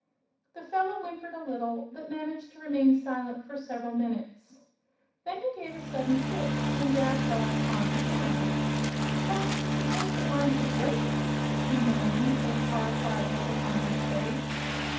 The fellow whimpered a little, but managed to remain silent for several minutes. Then he gave a sudden twitch and grabbed Rob's arm again. "S'pose s'pose the vine should break!" he moaned, a horrified look upon his face.